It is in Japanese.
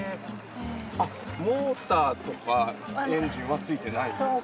モーターとか、エンジンはついてないんですね。